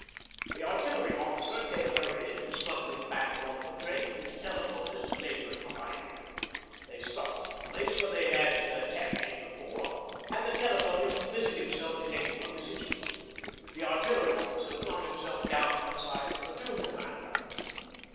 The Artillery officer came hurrying and stumbling back along the trench, his telephonist labouring behind him. They stopped at the place where they had tapped in before and the telephonist busied himself connecting up his instrument. The Artillery officer flung himself down beside the Platoon commander.